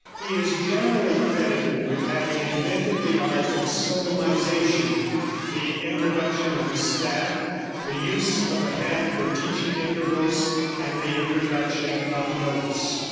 He is generally credited with having invented the art of solmization, the introduction of the staff, the use of the hand for teaching intervals, and the introduction of notes.